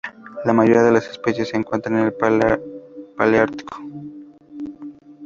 La mayoría de las especies se encuentran en el Paleártico.